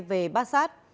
về bát sát